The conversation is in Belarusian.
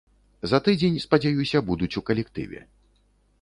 За тыдзень, спадзяюся, будуць у калектыве.